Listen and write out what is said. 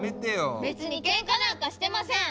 別にけんかなんかしてません！